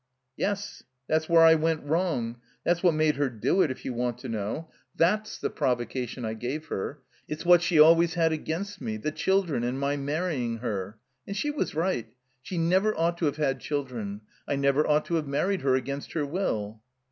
"Yes. That's where I went wrong. That's what made her do it, if you want to know. That's the 270 THE COMBINED MAZE provocation I gave her. It's what she always had against me — ^the children, and my marrying her. And she was right. She never ought to have had children. I never ought to have married her — against her will."